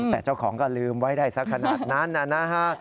แต่เจ้าของก็ลืมไว้ได้สักขนาดนั้นนะฮะ